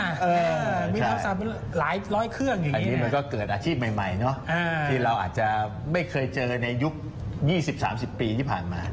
เออใช่ครับใช่ครับอันนี้มันก็เกิดอาชีพใหม่เนอะที่เราอาจจะไม่เคยเจอในยุค๒๐๓๐ปีที่ผ่านมา